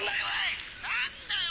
「何だよ！」。